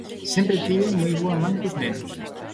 Sempre tiven moi boa man cos nenos.